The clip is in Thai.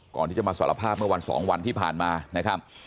ก่อนที่จะมาสารภาพเมื่อวัน๒วันที่ผ่านมานะครับ